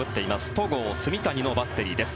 戸郷・炭谷のバッテリーです。